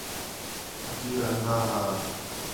پھقیر اندھا ہا